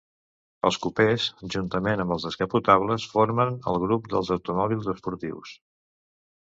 Els cupès, juntament amb els descapotables, formen el grup dels automòbils esportius.